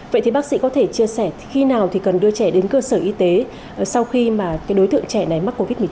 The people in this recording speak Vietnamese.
vậy thì bác sĩ có thể chia sẻ khi nào thì cần đưa trẻ đến cơ sở y tế sau khi mà cái đối tượng trẻ này mắc covid một mươi chín